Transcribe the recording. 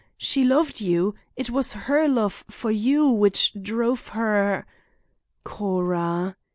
She loved you. It was her love for you which drove her—' "'Cora!